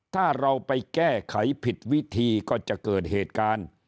ถ้าเราไปแก้ไขผิดวิธีก็จะเกิดเหตุการณ์